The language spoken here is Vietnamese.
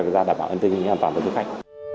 để đảm bảo an tinh an toàn với du khách